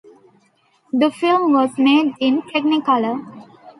The film was made in Technicolor.